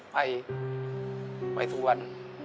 ไปไปทุกวัน